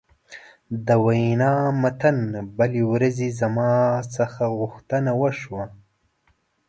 د وینا متن: بلې ورځې زما څخه غوښتنه وشوه.